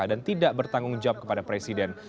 dan tidak bertanggung jawab kepada presiden